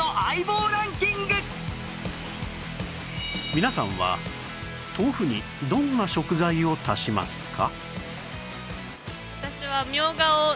皆さんは豆腐にどんな食材を足しますか？